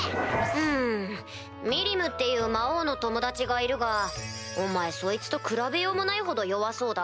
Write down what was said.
うんミリムっていう魔王の友達がいるがお前そいつと比べようもないほど弱そうだが？